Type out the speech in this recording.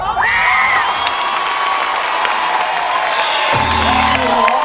ได้ครับ